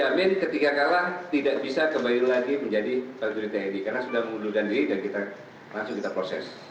jamin ketika kalah tidak bisa kembali lagi menjadi prajurit tni karena sudah mengundurkan diri dan kita langsung kita proses